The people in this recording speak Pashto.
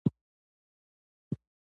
دوی د خوندیتوب اصول جوړوي.